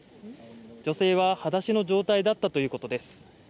女性ははだしの状態だったということです。